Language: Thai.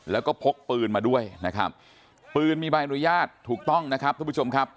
แล้วก็พกปืนมาด้วยนะครับปืนมีใบอนุญาตถูกต้องนะครับทุกผู้ชมครับ